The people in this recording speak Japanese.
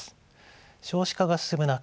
少子化が進む中